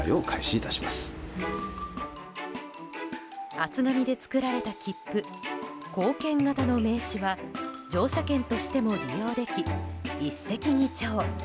厚紙で作られた切符硬券型の名刺は乗車券としても利用でき一石二鳥。